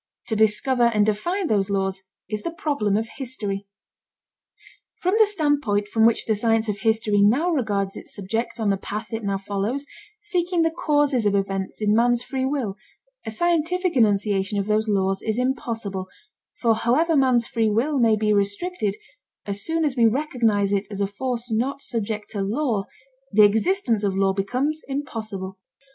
To discover and define those laws is the problem of history. From the standpoint from which the science of history now regards its subject on the path it now follows, seeking the causes of events in man's free will, a scientific enunciation of those laws is impossible, for however man's free will may be restricted, as soon as we recognize it as a force not subject to law, the existence of law becomes impossible.